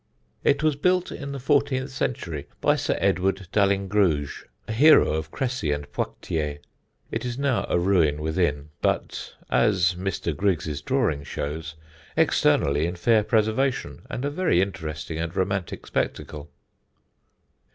It was built in the fourteenth century by Sir Edward Dalyngruge, a hero of Cressy and Poictiers. It is now a ruin within, but (as Mr. Griggs' drawing shows) externally in fair preservation and a very interesting and romantic spectacle.